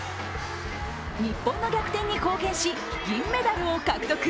日本の逆転に貢献し、銀メダルを獲得。